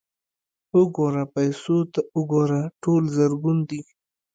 _وګوره، پيسو ته وګوره! ټول زرګون دي.